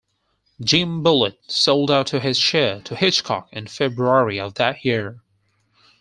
Jim Bulleit sold out to his share to Hitchcock in February of that year.